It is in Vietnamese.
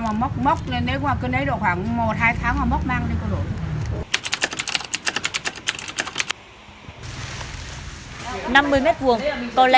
nếu mà cứ nấy được khoảng một hai tháng mà mốc mang đi có đổi